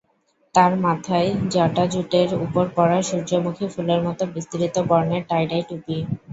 তার মাথায় জটাজুটের ওপর পড়া সূর্যমুখী ফুলের মতো বিস্তৃত বর্ণের টাইডাই টুপি।